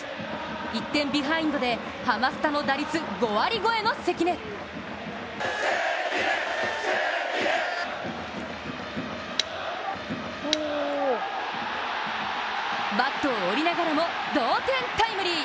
１点ビハインドでハマスタの打率５割超えの関根バットを折りながらも同点タイムリー。